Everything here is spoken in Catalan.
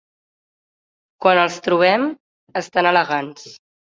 Quan els trobem, estan elegants.